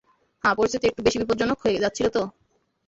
হ্যাঁ, পরিস্থিতি একটু বেশি বিপজ্জনক হয়ে যাচ্ছিল তো।